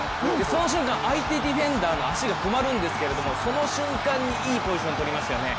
その瞬間、相手ディフェンダーの足が止まるんですがその瞬間にいいポジションとりましたよね。